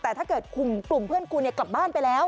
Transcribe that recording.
แต่ถ้าเกิดกลุ่มเพื่อนคุณกลับบ้านไปแล้ว